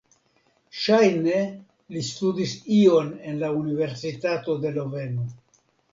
Ŝajne li studis ion en la Universitato de Loveno.